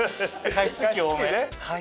加湿器多め。